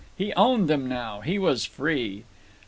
He owned them now. He was free.